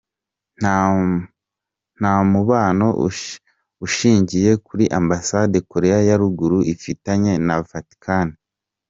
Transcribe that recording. Nta mubano ushingiye kuri ambasade Koreya ya ruguru ifitanye na Vaticani.